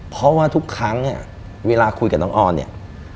เพราะว่าทุกครั้งเนี่ยเวลาคุยกับน้องออนเนี่ย